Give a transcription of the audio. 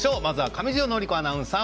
上條倫子アナウンサー